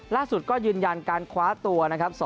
ล่าสุดก็ยืนยันการคว้าตัวนะครับ